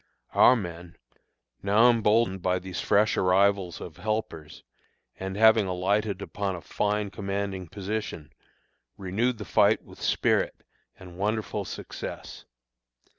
Our men, now emboldened by these fresh arrivals of helpers, and having alighted upon a fine commanding position, renewed the fight with spirit and wonderful success.